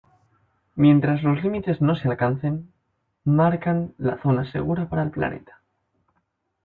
Mientras los límites no se alcancen, marcan la "zona segura" para el planeta.